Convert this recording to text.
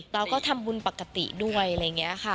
เราก็ทำบุญปกติด้วยอะไรอย่างนี้ค่ะ